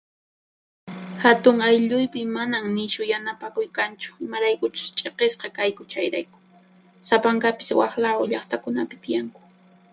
Hatun aylluypi manan nishu yanapakuy kanchu, imaraykuchus ch'iqisqa kayku chayrayku. Sapankapis waq laru llaqtakunapi tiyanku.